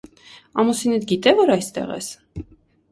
Ամուսինդ գիտե՞, որ այստեղ ես: